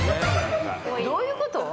どういうこと？